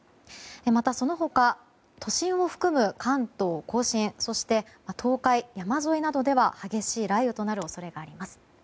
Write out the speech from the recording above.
またその他、都心を含む関東・甲信そして、東海の山沿いなどでは激しい雷雨となる恐れがあります。